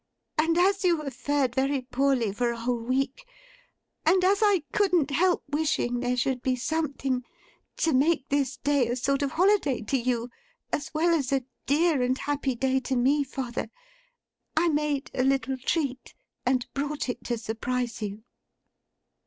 and as you have fared very poorly for a whole week, and as I couldn't help wishing there should be something to make this day a sort of holiday to you as well as a dear and happy day to me, father, I made a little treat and brought it to surprise you.